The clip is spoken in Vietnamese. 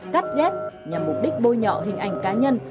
cắt ghép nhằm mục đích bôi nhọ hình ảnh cá nhân